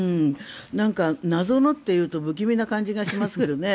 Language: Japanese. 謎のというと不気味な感じがしますけどね。